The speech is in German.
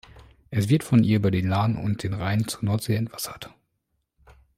Es wird von ihr über die Lahn und den Rhein zur Nordsee entwässert.